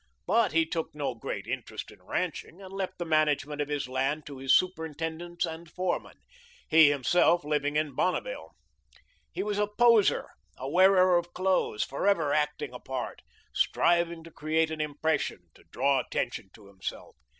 But he took no great interest in ranching and left the management of his land to his superintendents and foremen, he, himself, living in Bonneville. He was a poser, a wearer of clothes, forever acting a part, striving to create an impression, to draw attention to himself.